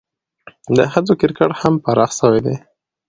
د ښځو کرکټ هم پراخه سوی دئ.